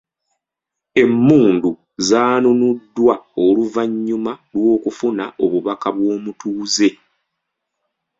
Emmundu zaanunuddwa oluvannyuma lw'okufuna obubaka bw'omutuuze.